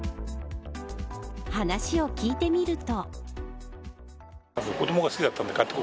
話を聞いてみると。